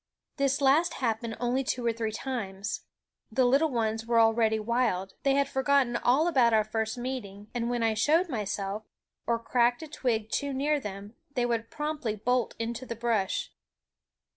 This last happened only two or three times. The little ones were already wild; they had forgotten all about our first meet ing, and when I showed myself, or cracked a twig too near them, they would promptly bolt into the brush.